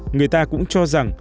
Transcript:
người ta cũng cho rằng